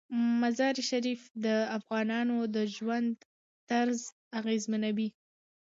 مزارشریف د افغانانو د ژوند طرز اغېزمنوي.